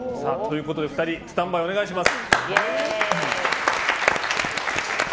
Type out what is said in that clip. ２人、スタンバイお願いします。